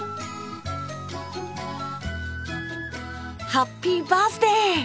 ハッピーバースデー！